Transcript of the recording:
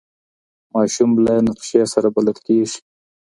ماشوم له نقشې سره بلد کېږي.